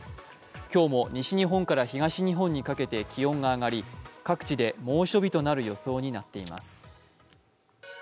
今日も東日本から西日本にかけて気温が上がり各地で猛暑日となる予想になっています。